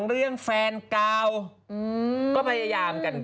เดี๋ยวฟ้องนะ